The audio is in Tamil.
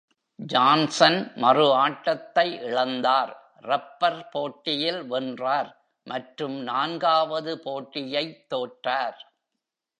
ஜான்சன் மறுஆட்டத்தை இழந்தார், ரப்பர் போட்டியில் வென்றார் மற்றும் நான்காவது போட்டியைத் தோற்றார்.